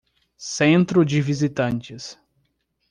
Centro de visitantes